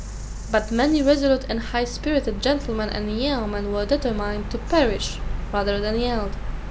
But many resolute and highspirited gentlemen and yeomen were determined to perish rather than yield.